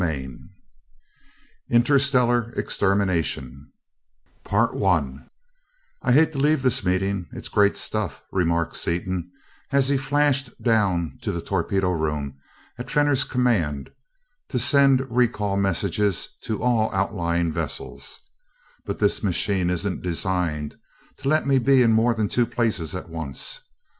CHAPTER XIV Interstellar Extermination "I hate to leave this meeting it's great stuff" remarked Seaton as he flashed down to the torpedo room at Fenor's command to send recall messages to all outlying vessels, "but this machine isn't designed to let me be in more than two places at once.